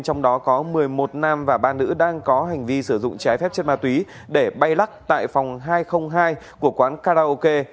trong đó có một mươi một nam và ba nữ đang có hành vi sử dụng trái phép chất ma túy để bay lắc tại phòng hai trăm linh hai của quán karaoke